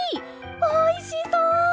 おいしそう！